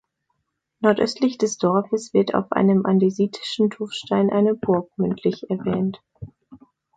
Nordöstlich des Dorfes wird auf einem andesitischen Tuffstein eine Burg mündlich erwähnt.